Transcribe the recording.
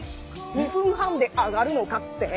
２分半で揚がるのかって？